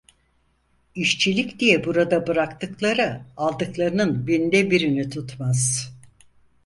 İşçilik diye burada bıraktıkları, aldıklarının binde birini tutmaz.